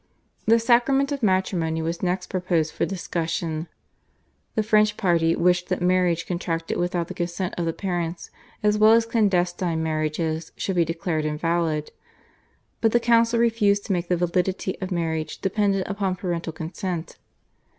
The sacrament of Matrimony was next proposed for discussion. The French party wished that marriages contracted without the consent of the parents as well as clandestine marriages should be declared invalid, but the council refused to make the validity of marriage dependent upon parental consent.